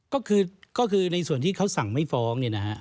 ก็คือในส่วนที่เขาสั่งไม่ฟ้องเนี่ยนะฮะ